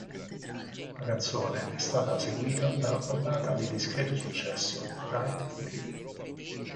La canzone è stata seguita dalla ballata di discreto successo, "Ride for You".